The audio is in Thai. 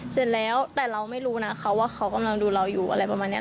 แต่เราไม่รู้นะคะว่าเขากำลังดูเราอยู่อะไรประมาณนี้